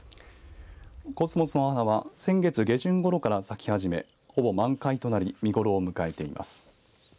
コスモスの花は先月下旬ごろから咲き始めほぼ満開となり見頃を迎えています。